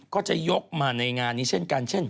ก็จะยกมาในงานนี้เช่นกันเช่น